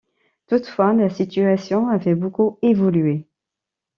Toutefois, la situation avait beaucoup évolué.